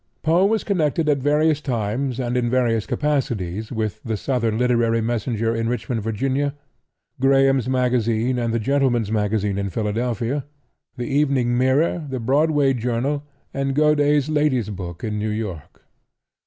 Poe was connected at various times and in various capacities with the "Southern Literary Messenger" in Richmond, Va.; "Graham's Magazine" and the "Gentleman's Magazine" in Philadelphia; the "Evening Mirror," the "Broadway Journal," and "Godey's Lady's Book" in New York.